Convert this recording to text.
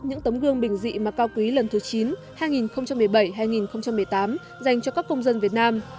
những tấm gương bình dị mà cao quý lần thứ chín hai nghìn một mươi bảy hai nghìn một mươi tám dành cho các công dân việt nam